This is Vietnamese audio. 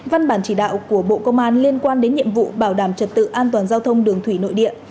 văn bản chỉ đạo của bộ công an liên quan đến nhiệm vụ bảo đảm trật tự an toàn giao thông đường thủy nội địa